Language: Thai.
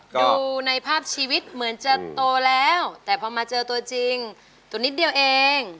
ดูในภาพชีวิตเหมือนจะโตแล้วแต่พอมาเจอตัวจริงตัวนิดเดียวเอง